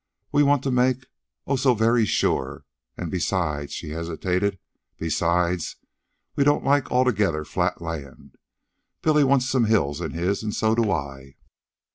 We want to make, oh, so very sure! And besides...." She hesitated. "Besides, we don't like altogether flat land. Billy wants some hills in his. And so do I."